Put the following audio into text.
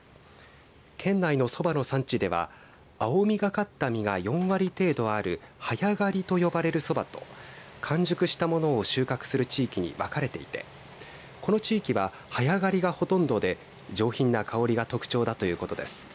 県内のそばの産地では青みがかった４割程度ある早刈りと呼ばれるそばと完熟したものを収穫する地域に分かれていてこの地域は、早刈りがほとんどで上品な香りが特徴だということです。